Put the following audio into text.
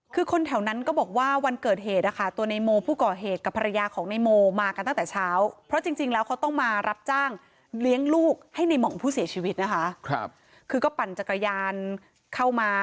คือคนแถวนั้นก็บอกว่าวันเกิดเหตุนะคะตัวนายโมผู้ก่อเหตุก็พรรยาของนายโมมากันตั้งแต่เช้า